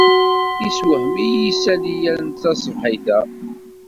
Yessewhem-iyi yisali-a taṣebḥit-a.